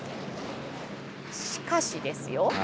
しかしですよ。